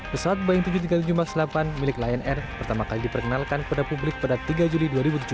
pesawat boeing tujuh ratus tiga puluh tujuh max delapan milik lion air pertama kali diperkenalkan kepada publik pada tiga juli dua ribu tujuh belas